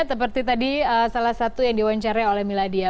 seperti tadi salah satu yang diwawancarai oleh miladia